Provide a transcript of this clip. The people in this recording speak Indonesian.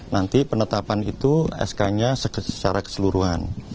nanti penetapan itu sk nya secara keseluruhan